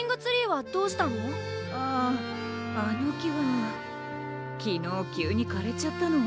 ああの木は昨日急にかれちゃったの。